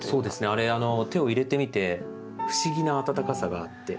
あれ手を入れてみて不思議な温かさがあって。